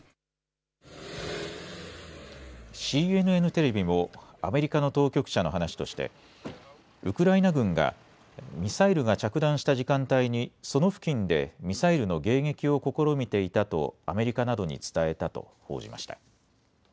ＣＮＮテレビもアメリカの当局者の話としてウクライナ軍がミサイルが着弾した時間帯にその付近でミサイルの迎撃を試みていたとアメリカなどに伝えたと報じました。